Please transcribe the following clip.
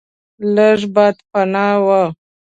لږ باد پناه و.